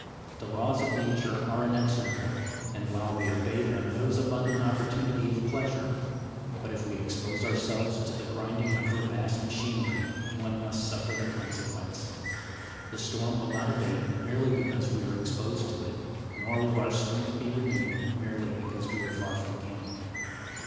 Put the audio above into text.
The laws of nature are inexorable, and while we obey them there is abundant opportunity of pleasure, but if we expose ourselves to the grinding of her vast machinery, one must suffer the consequence. The storm will not abate merely because we are exposed to it, nor will our strength be renewed merely because we are far from camp.